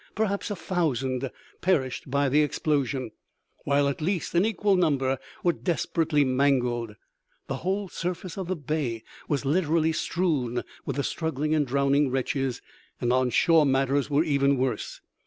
Perhaps a thousand perished by the explosion, while at least an equal number were desperately mangled. The whole surface of the bay was literally strewn with the struggling and drowning wretches, and on shore matters were even worse.